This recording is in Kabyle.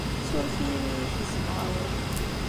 Ssuref-iyi imi ay ak-gezmeɣ awal.